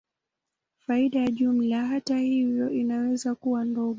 Faida ya jumla, hata hivyo, inaweza kuwa ndogo.